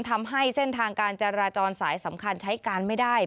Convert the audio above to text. ทำให้เส้นทางการจราจรสายสำคัญใช้การไม่ได้